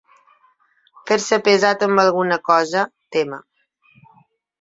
Fer-se pesat amb alguna cosa, tema.